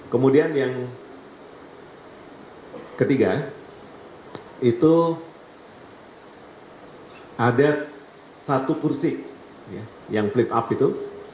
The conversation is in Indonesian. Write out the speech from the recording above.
kemudian yang ketiga itu ada satu kursi yang fleet up itu